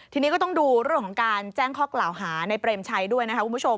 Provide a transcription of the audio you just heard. ทีนี้ก็ต้องดูเรื่องของการแจ้งข้อกล่าวหาในเปรมชัยด้วยนะคะคุณผู้ชม